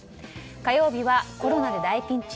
火曜日はコロナで大ピンチ